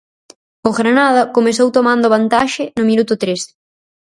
O Granada comezou tomando vantaxe no minuto tres.